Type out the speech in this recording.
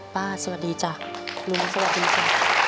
สวัสดีจ้ะลุงสวัสดีจ้ะ